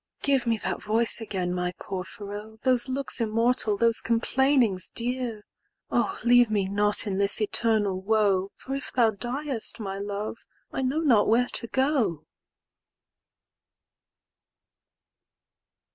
"Give me that voice again, my Porphyro,"Those looks immortal, those complainings dear!"Oh leave me not in this eternal woe,"For if thou diest, my Love, I know not where to go."